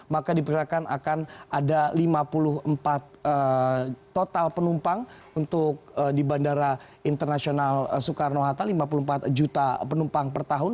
maka diperkirakan akan ada lima puluh empat total penumpang untuk di bandara internasional soekarno hatta lima puluh empat juta penumpang per tahun